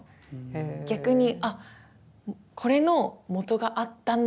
逆にあこれのもとがあったんだ！